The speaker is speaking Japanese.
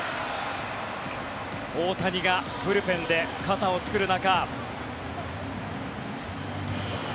大谷がブルペンで肩を作る中。